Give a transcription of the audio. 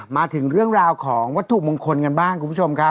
มาถึงเรื่องราวของวัตถุมงคลกันบ้างคุณผู้ชมครับ